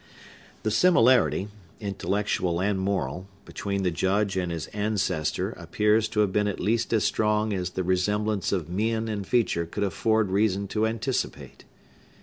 The similarity, intellectual and moral, between the Judge and his ancestor appears to have been at least as strong as the resemblance of mien and feature would afford reason to anticipate.